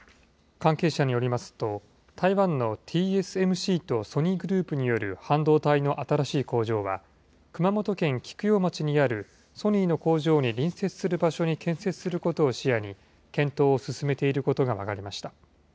関係者によりますと、台湾のＴＳＭＣとソニーグループによる半導体の新しい工場は、熊本県菊陽町にあるソニーの工場に隣接する場所に建設することを視野に、検討を進めていることが分かりました。